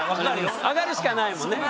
上がるしかないもんね。